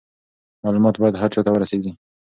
معلومات باید هر چا ته ورسیږي.